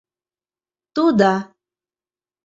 — Тудо